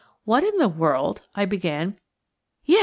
"What in the world–?" I began. "Yes!